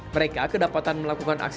mereka kedapatan melakukan aksi